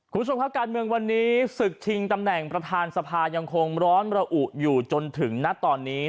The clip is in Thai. คุณผู้ชมครับการเมืองวันนี้ศึกชิงตำแหน่งประธานสภายังคงร้อนระอุอยู่จนถึงณตอนนี้